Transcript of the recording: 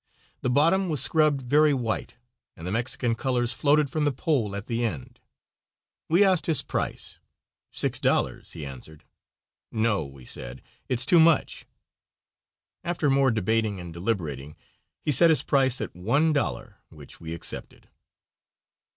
The bottom was scrubbed very white and the Mexican colors floated from the pole at the end. We asked his price. "Six dollars," he answered. "No," we said; "it's too much." After more debating and deliberating he set his price at one dollar, which we accepted.